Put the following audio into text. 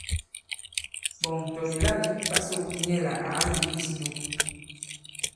Ɓɔ̀ŋ tɔ̀ nìla nīk ɓa sōk ndī nyɛ lā à kayīmbīs nyu.